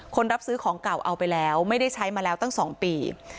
รับซื้อของเก่าเอาไปแล้วไม่ได้ใช้มาแล้วตั้ง๒ปี